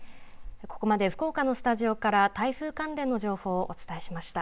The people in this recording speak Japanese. ここまで福岡のスタジオから台風関連の情報をお伝えしました。